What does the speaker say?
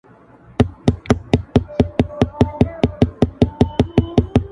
خو ځيني سيان نه بدلېږي هېڅکله-